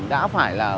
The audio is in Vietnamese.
đã phải là